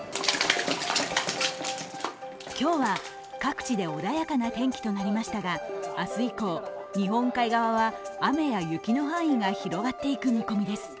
今日は各地で穏やかな天気となりましたが、明日以降、日本海側は雨や雪の範囲が広がっていく見込みです。